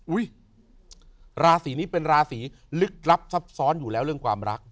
ราศีนี้เป็นราศีลึกลับซับซ้อนอยู่แล้วเรื่องความรัก